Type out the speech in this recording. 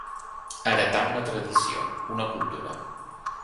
Heretar una tradició, una cultura.